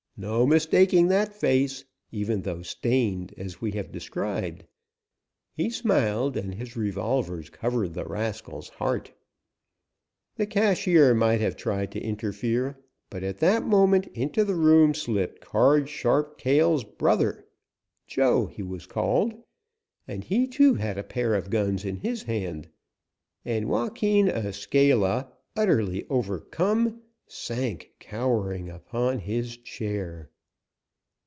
No mistaking that face, even though stained, as we have described. He smiled, and his revolvers covered the rascal's heart. The cashier might have tried to interfere, but at that moment into the room slipped Card Sharp Cale's brother, "Joe," he was called, and he, too, had a pair of guns in hand. And Joaquin Escala, utterly overcome, sank cowering upon his chair.